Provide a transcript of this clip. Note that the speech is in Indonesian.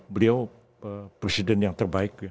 beliau presiden yang terbaik